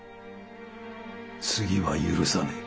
次は許さねえ。